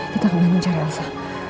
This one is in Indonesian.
kita ke bandung cari elsa